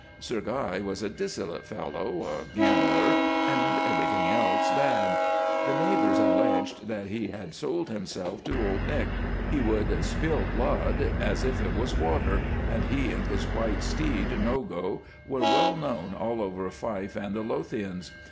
Sir Guy was a dissolute fellow, a gambler, and everything else bad. The neighbours alleged that he had sold himself to Old Nick. He would spill blood as if it was water, and he and his white steed, "Nogo," were well known all over Fife and the Lothians.